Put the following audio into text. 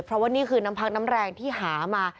เพราะว่านี่คือน้ำพักน้ำแรงที่หามา